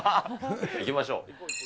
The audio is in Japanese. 行きましょう。